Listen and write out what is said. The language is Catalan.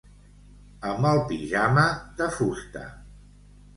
Amb el pijama de fusta.